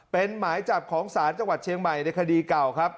เป็นหมายจับของศาลจังหวัดเชียงใหม่ในคดีเก่าครับ